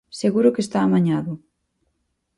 Seguro que está amañado.